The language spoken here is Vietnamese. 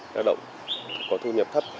đã động có thu nhập thấp